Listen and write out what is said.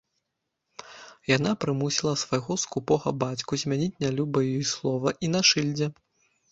Яна прымусіла свайго скупога бацьку змяніць нялюбае ёй слова і на шыльдзе.